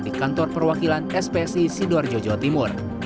dari kantor perwakilan spsi sidor jawa timur